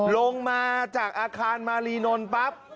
ลงมาจากอาคารมารีนนท์ปั๊บ